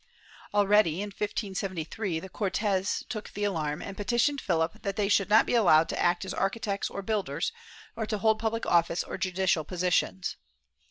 ^ Already, in 1573, the C6rtes took the alarm and petitioned Philip that they should not be allowed to act as architects or builders, or to hold public office or judicial positions.